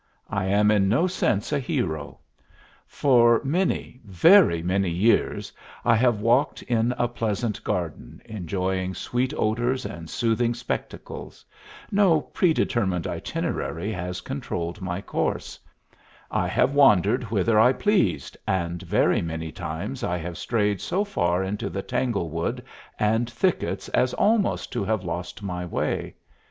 I am in no sense a hero. For many, very many years I have walked in a pleasant garden, enjoying sweet odors and soothing spectacles; no predetermined itinerary has controlled my course; I have wandered whither I pleased, and very many times I have strayed so far into the tangle wood and thickets as almost to have lost my way.